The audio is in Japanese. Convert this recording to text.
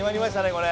これ。